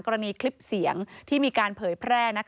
กรณีคลิปเสียงที่มีการเผยแพร่